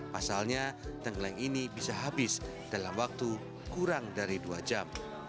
pasalnya tengkleng ini bisa habis dalam waktu kurang dari dua jam